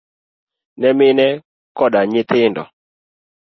ne mine koda nyithindo.